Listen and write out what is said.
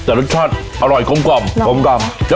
แต่รสชาติอร่อยกลมกลมแล้วมันกรอบเออ